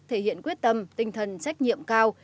thể hiện quyết tâm tinh thần trách nhiệm cao